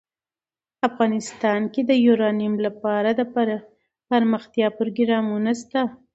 افغانستان کې د یورانیم لپاره دپرمختیا پروګرامونه شته.